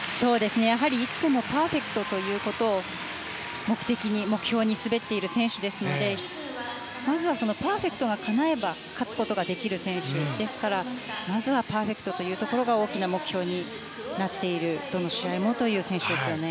やはり、いつでもパーフェクトというのを目標に滑っている選手ですのでまずはパーフェクトが叶えば勝つことができる選手ですからまずはパーフェクトというのが大きな目標になっているどの試合もという選手ですね。